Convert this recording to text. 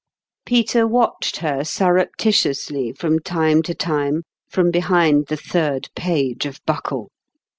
Peter watched her surreptitiously, from time to time, from behind the third page of Buckle.